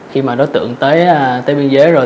khi mà đối tượng tới biên giới rồi